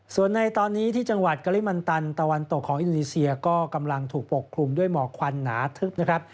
ส่วนในตอนนี้ที่จังหวัดกะลิมันตันตะวันตกของอินโดนีเซียก็กำลังถูกปกคลุมด้วยหมอกควันหนาทึบนะครับ